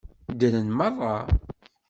Ddren meṛṛa.